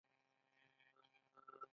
پۀ جوس کښې فائبر صفر وي